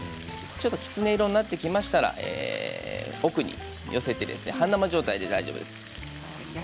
キツネ色になってきましたら奥に寄せて、半生状態で大丈夫です。